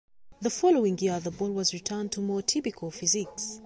The following year the ball was returned to more typical physics.